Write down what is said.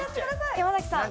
山崎さん。